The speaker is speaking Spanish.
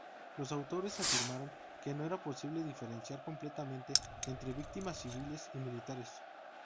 Los autores afirmaron que no era "posible diferenciar completamente entre víctimas civiles y militares".